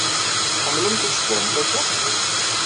Tḥemmlemt ad teddremt akka?